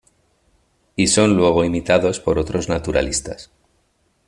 Y son luego imitados por otros naturalistas.